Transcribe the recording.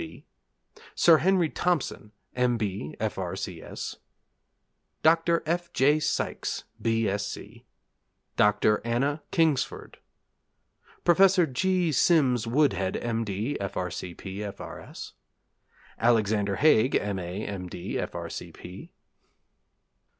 D., C.B. Sir Henry Thompson, M.B., F.R.C.S. Dr. F. J. Sykes, B. Sc. Dr. Anna Kingsford Professor G. Sims Woodhead, M.D., F.R.C.P., F.R.S. Alexander Haig, M.A., M.D., F.R.C.P. Dr.